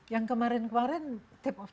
yang kemarin kemarin tap of